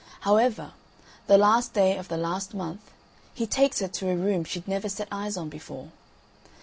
However, the last day of the last month he takes her to a room she'd never set eyes on before.